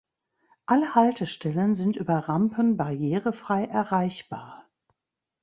Alle Haltestellen sind über Rampen barrierefrei erreichbar.